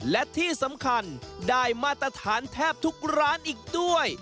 และที่สำคัญได้มาตรฐานแทบทุกร้านอีกด้วย